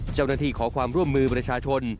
เจ้าหน้าที่ขอความร่วมมือประชาชน